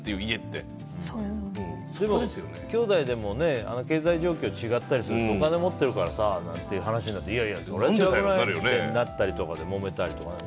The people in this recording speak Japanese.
でも、きょうだいでも経済状況が違ったりするとお金持ってるからさなんて話になっていやいやってなったりとかでもめたりとかね。